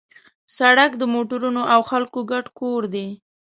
سړک د موټرونو او خلکو ګډ کور دی.